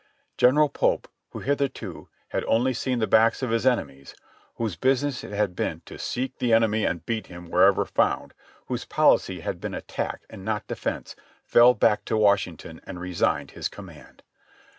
General Pope, who hitherto "had only seen the backs of his enemies," whose business it had been to "seek the enemy and beat him wherever found," whose policy had been attack and not defense, fell back to Washington and resigned his command.